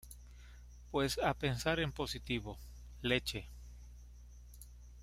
pues a pensar en positivo. leche.